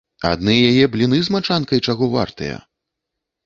Адны яе бліны з мачанкай чаго вартыя!